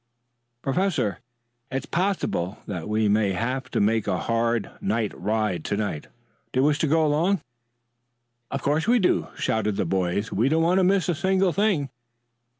Professor, it is possible that we may have to make a hard night ride to night. Do you wish to go along?" "Of course we do!" shouted the boys. "We don't want to miss a single thing."